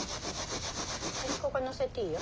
ここ載せていいよ。